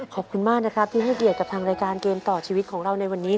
ขอบคุณมากนะครับที่ให้เกียรติกับทางรายการเกมต่อชีวิตของเราในวันนี้